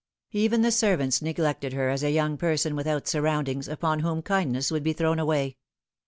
Even the servants neg lected her as a young person without surroundings, upon whom kindness would be thrown away.